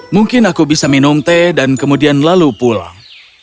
mungkin aku bisa minum teh dan kemudian lalu pulang